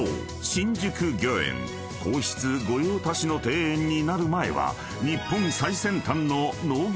新宿御苑皇室御用達の庭園になる前は］